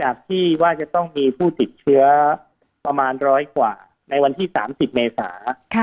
ที่ว่าจะต้องมีผู้ติดเชื้อประมาณร้อยกว่าในวันที่๓๐เมษา